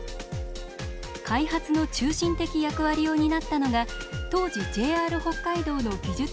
開発の中心的役割を担ったのが当時ＪＲ北海道の技術